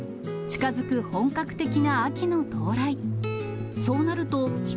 近づく本格的な秋の到来。